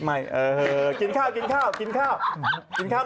กินข้าว